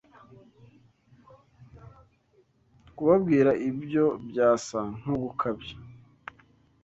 kubabwira ibyo byasa nko gukabya